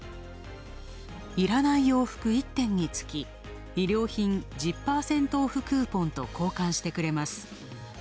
要らない洋服１点につき、衣料品１０％オフクーポンと交換してくれます。